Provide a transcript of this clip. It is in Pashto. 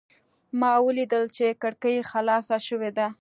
ما ولیدل چې کړکۍ خلاصه شوې ده.